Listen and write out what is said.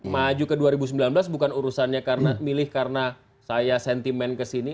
maju ke dua ribu sembilan belas bukan urusannya karena milih karena saya sentimen kesini